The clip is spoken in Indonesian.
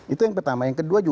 itu yang pertama